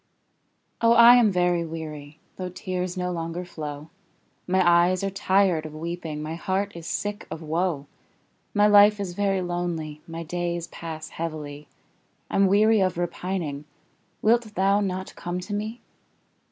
Oh, I am very weary, Though tears no longer flow; My eyes are tired of weeping, My heart is sick of woe; My life is very lonely My days pass heavily, I'm weary of repining; Wilt thou not come to me?